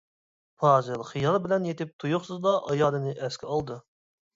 پازىل خىيال بىلەن يېتىپ، تۇيۇقسىزلا ئايالىنى ئەسكە ئالدى.